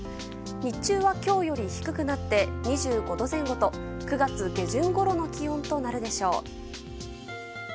日中は今日より低くなって２５度前後と９月下旬ごろの気温となるでしょう。